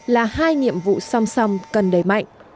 là hai nhiệm vụ song song cần đẩy mạnh